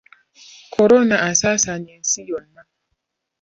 Kolona asaasaanye ensi yonna.